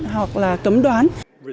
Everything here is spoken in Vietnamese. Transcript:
hoặc là cấm đoán